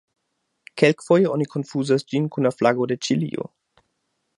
Kelkfoje oni konfuzas ĝin kun la flago de Ĉilio.